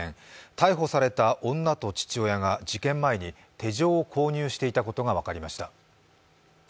逮捕された女と父親が事件前に手錠を購入していたことが分かりました。